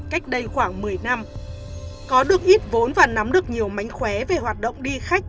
khoảng một mươi năm có được ít vốn và nắm được nhiều mánh khóe về hoạt động đi khách